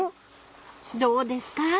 ［どうですか？